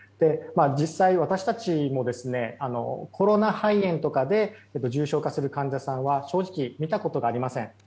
実際、私たちもコロナ肺炎とかで重症化する患者さんは正直、見たことがありません。